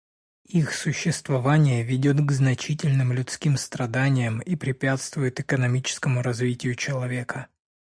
Их существование ведет к значительным людским страданиям и препятствует экономическому развитию человека.